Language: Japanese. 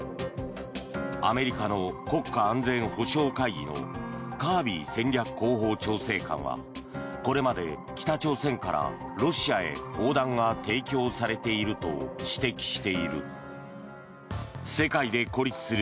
アメリカの国家安全保障会議のカービー戦略広報調整官はこれまで、北朝鮮からロシアへ砲弾が提供されていると先生お母さん